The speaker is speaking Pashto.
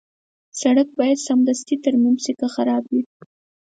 سړک باید سمدستي ترمیم شي که خراب وي.